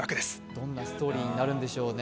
どんなストリーになるんでしょうね。